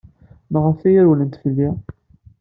Maɣef ay rewlent fell-i?